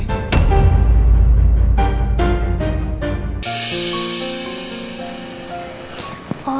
apa benar roy